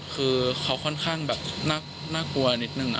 คือเขาค่อนข้างแบบน่ากลัวนิดนึง